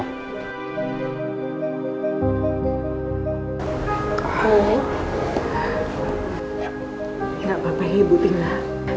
gak apa apa ya ibu tinggal